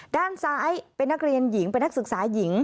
ด้านซ้ายเป็นนักเรียนหญิงเป็นนักศึกษาหญิง